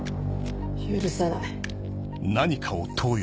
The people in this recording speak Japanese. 許さない。